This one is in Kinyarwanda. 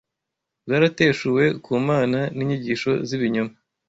bwarateshuwe ku Mana n’inyigisho z’ibinyoma